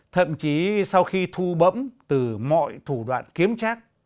thậm chí sau khi thu bẫm từ mọi thủ đoạn kiếm trác